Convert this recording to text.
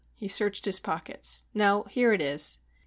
He searched his pockets. "No,—here it is."